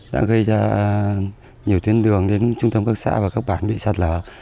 đã gây ra nhiều tuyến đường đến trung tâm các xã và các bản bị sạt lở